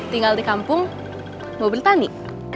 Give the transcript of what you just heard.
tinggal di kampung mau bertani